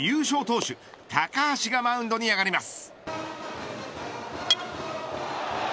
投手高橋がマウンドに上がります。